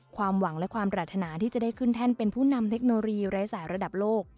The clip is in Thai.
ความหวังและความปรารถนาที่จะได้ขึ้นแท่นเป็นผู้นำเทคโนโลยีไร้สายระดับโลก